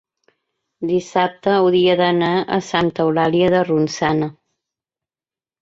dissabte hauria d'anar a Santa Eulàlia de Ronçana.